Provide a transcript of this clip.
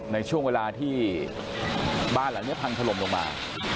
ในช่วงเวลาที่บ้านหลังนี้พังถล่มลงมา